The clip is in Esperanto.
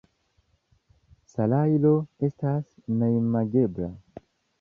Salajro estas neimagebla.